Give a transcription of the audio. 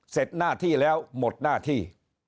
เสร็จหน้าที่แล้วหมดหน้าที่